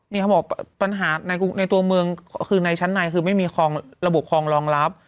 นี่เขาบอกปัญหาในตัวเมืองคือในชั้นในคือไม่มีระบบคลองรองรับ